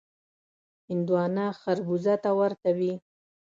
هندوانه خړبوزه ته ورته وي.